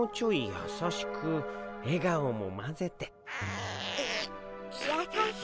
やさしく笑顔もまぜて。